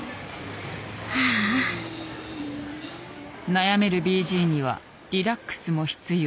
悩めるＢＧにはリラックスも必要。